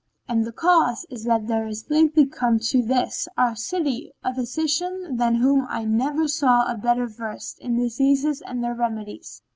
And the cause is that there is lately come to this our city a physician than whom I never saw a better versed in diseases and their remedies.